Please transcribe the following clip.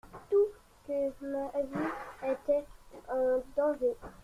Du tout… que ma vie était en danger.